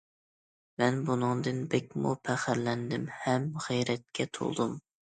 مەن بۇنىڭدىن بەكمۇ پەخىرلەندىم ھەم غەيرەتكە تولدۇم!